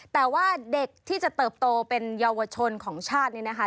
แต่ว่าเด็กที่จะเติบโตเป็นเยาวชนของชาตินี้นะคะ